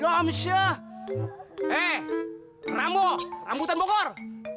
hey rambut rambutan bogor